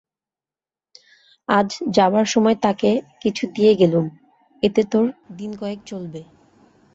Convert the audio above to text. আজ যাবার সময় তোকে কিছু দিয়ে গেলুম, এতে তোর দিনকয়েক চলবে।